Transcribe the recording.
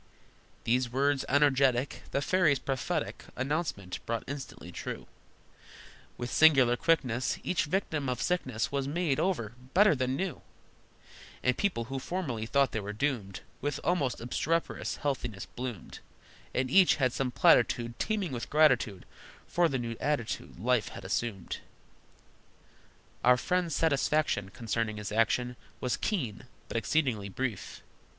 These words energetic The fairy's prophetic Announcement brought instantly true: With singular quickness Each victim of sickness Was made over, better than new, And people who formerly thought they were doomed With almost obstreperous healthiness bloomed, And each had some platitude, Teeming with gratitude, For the new attitude life had assumed. Our friend's satisfaction Concerning his action Was keen, but exceedingly brief.